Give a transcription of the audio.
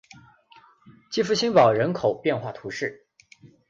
勒福新堡人口变化图示